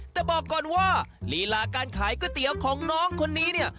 แต่บอกก่อนว่าลีลาการขายก๋วยเตี๋ยวของน้องคนนี้เนี่ย